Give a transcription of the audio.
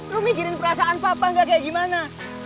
lu mikirin perasaan papa gak kayak gimana